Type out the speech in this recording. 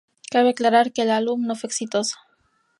Cabe aclarar que el álbum no fue exitoso.